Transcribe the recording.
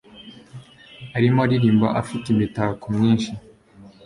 Arimo aririmba afite imitako myinshi.